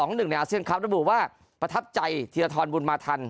๒๑ในอาเซียนครับรู้บุคว่าประทับใจทีละทอนบุญมาทัน